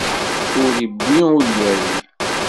Ur iwwi, ur irri.